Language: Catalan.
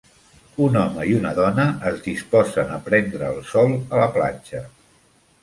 Un home i una dona es disposen a prendre el sol a la platja.